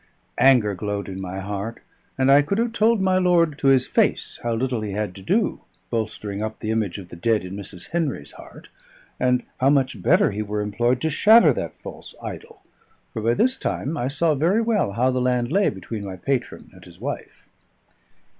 Anger glowed in my heart; and I could have told my lord to his face how little he had to do, bolstering up the image of the dead in Mrs. Henry's heart, and how much better he were employed to shatter that false idol; for by this time I saw very well how the land lay between my patron and his wife.